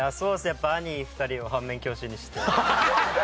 やっぱ兄２人を反面教師にして。